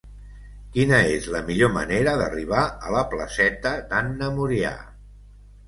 Quina és la millor manera d'arribar a la placeta d'Anna Murià?